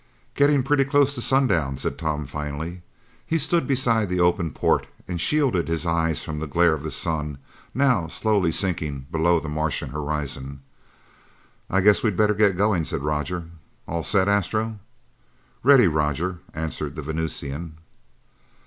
"Getting pretty close to sundown," said Tom finally. He stood beside the open port and shielded his eyes from the glare of the sun, now slowly sinking below the Martian horizon. "I guess we'd better get going," said Roger. "All set, Astro?" "Ready, Roger," answered the Venusian.